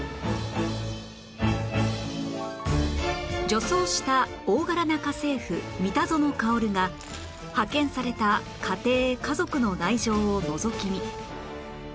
女装した大柄な家政夫三田園薫が派遣された家庭・家族の内情をのぞき見